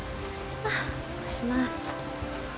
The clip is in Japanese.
お邪魔します。